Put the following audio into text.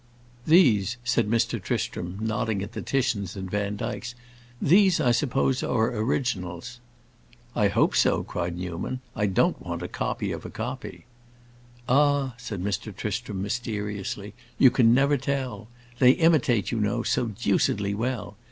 These," said Mr. Tristram, nodding at the Titians and Vandykes, "these, I suppose, are originals." "I hope so," cried Newman. "I don't want a copy of a copy." "Ah," said Mr. Tristram, mysteriously, "you can never tell. They imitate, you know, so deucedly well.